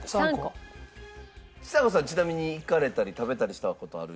ちさ子さんちなみに行かれたり食べたりした事あるやつ。